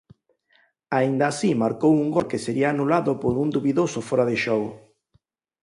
Aínda así marcou un gol que sería anulado por un dubidoso fóra de xogo.